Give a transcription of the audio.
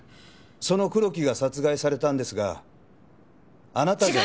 その黒木が殺害されたんですがあなたが。